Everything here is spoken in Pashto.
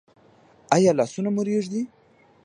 ایا لاسونه مو ریږدي؟